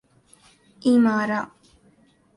ایمارا